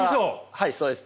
はいそうです。